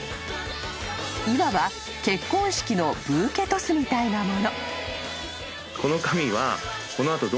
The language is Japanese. ［いわば結婚式のブーケトスみたいなもの］